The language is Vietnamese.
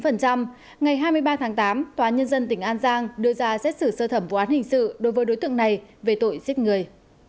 ngày hai mươi ba tháng tám tòa nhân dân tỉnh an giang đưa ra xét xử sơ thẩm vụ án hình sự đối với đối tượng này về tội giết người